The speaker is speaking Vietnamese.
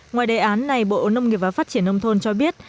ngoài đề án này bộ nông nghiệp và phát triển nông thôn cho biết